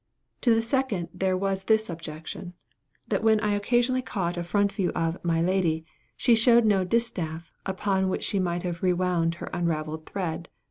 To the second there was this objection, that when I occasionally caught a front view of "my lady," she showed no distaff, upon which she might have re wound her unravelled thread.